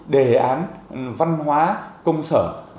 đề án văn hóa công sở